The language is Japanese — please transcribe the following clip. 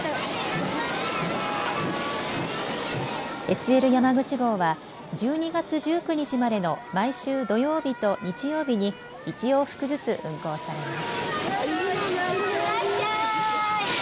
ＳＬやまぐち号は１２月１９日までの毎週土曜日と日曜日に１往復ずつ運行されます。